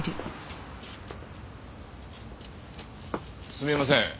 すみません。